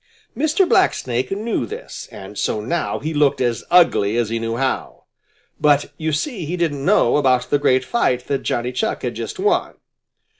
Mr. Blacksnake knew this and so now he looked as ugly as he knew how. But you see he didn't know about the great fight that Johnny Chuck had just won.